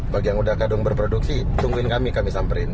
bagi yang udah kadung berproduksi tungguin kami kami samperin